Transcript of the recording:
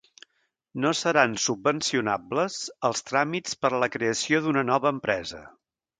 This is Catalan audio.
No seran subvencionables els tràmits per a la creació d'una nova empresa.